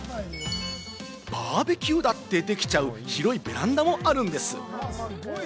バーベキューだってできちゃう広いベランダもあるんです。